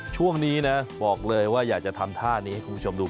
ช่วงนี้นะบอกเลยว่าอยากจะทำท่านี้ให้คุณผู้ชมดู